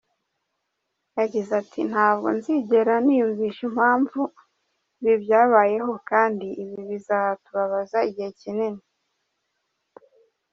Yagize ati “Ntabwo nzigera niyumvisha impamvu ibi byabayeho, kandi ibi bizatubabaza igihe kinini.